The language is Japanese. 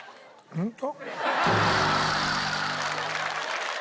ホント？